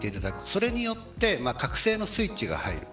それによって覚醒のスイッチが入る。